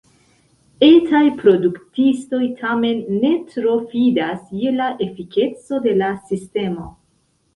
Etaj produktistoj tamen ne tro fidas je la efikeco de la sistemo.